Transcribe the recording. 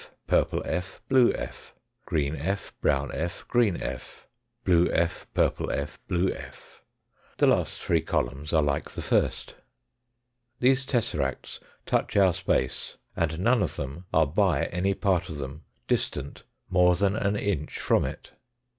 purple f., blue f. ; green f., brown f., green f. ; blue f., purple f., blue f. The last three columns are like the first. These tesseracts touch our space, and none of them are by any part of them distant more than an inch from it.